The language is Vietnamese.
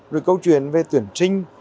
rồi câu chuyện về tuyển sinh